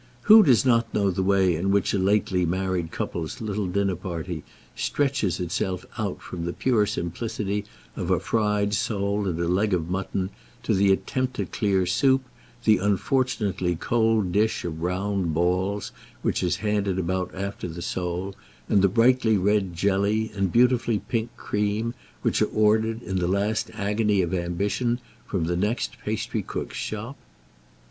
Who does not know the way in which a lately married couple's little dinner party stretches itself out from the pure simplicity of a fried sole and a leg of mutton to the attempt at clear soup, the unfortunately cold dish of round balls which is handed about after the sole, and the brightly red jelly, and beautifully pink cream, which are ordered, in the last agony of ambition, from the next pastrycook's shop?